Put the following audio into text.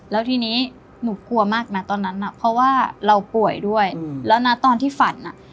แล้วทีนี้หนูกลัวมากนะตอนนั้นน่ะเพราะว่าเราป่วยด้วยแล้วนะตอนที่ฝันอ่ะ